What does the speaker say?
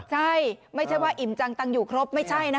ใช่ไม่ใช่ว่าอิ่มจังตังอยู่ครบไม่ใช่นะคะ